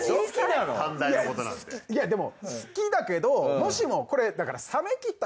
いやでも好きだけどもしもこれだから俺なんかやっぱり。